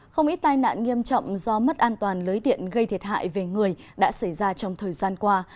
không ít tai nạn nghiêm trọng do mất an toàn lưới điện gây thiệt hại về người đã xảy ra trong thời gian qua